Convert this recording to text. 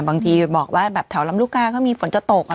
บางทีบอกว่าแบบแถวลำลูกกาก็มีฝนจะตก